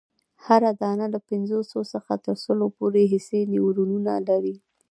هره دانه له پنځوسو څخه تر سلو پوري حسي نیورونونه لري.